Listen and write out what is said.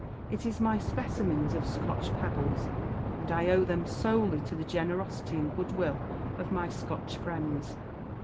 It is my specimens of Scotch pebbles; and I owe them solely to the generosity and good will of my Scotch friends.